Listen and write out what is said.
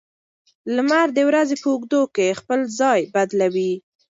لمر د ورځې په اوږدو کې خپل ځای بدلوي.